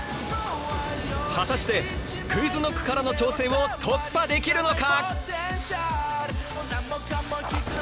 果たしてＱｕｉｚＫｎｏｃｋからの挑戦を突破できるのか！？